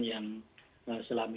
yang selam ini